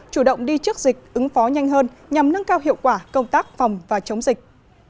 chủ động đi trước dịch ứng phó nhanh hơn nhằm nâng cao hiệu quả công tác phòng và chống dịch